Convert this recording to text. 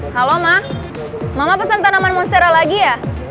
halo mah mama pesan tanaman monstera lagi ya